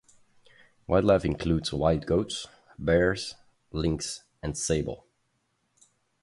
Wildlife includes wild goats, bears, lynx and sable.